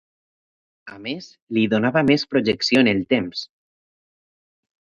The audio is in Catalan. A més, li donava més projecció en el temps.